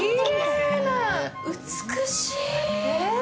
美しい！